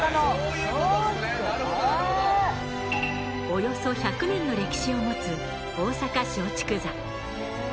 およそ１００年の歴史を持つ大阪松竹座。